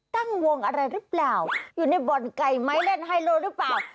ตั้งวงอะไรหรือเปล่าอยู่ในบ่อนไก่ไหมเล่นไฮโลหรือเปล่า